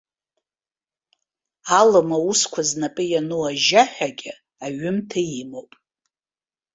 Алым аусқәа знапы иану ажьа ҳәагьы аҩымҭа имоуп.